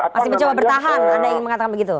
masih mencoba bertahan anda ingin mengatakan begitu